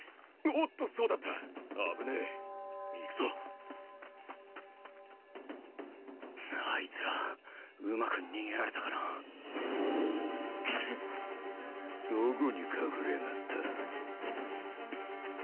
・おっとそうだった危ねえ・行くぞあいつらうまく逃げられたかなケッどこに隠れやがった